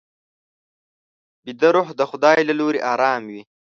ویده روح د خدای له لوري ارام وي